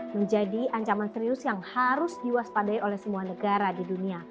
menjadi ancaman serius yang harus diwaspadai oleh semua negara di dunia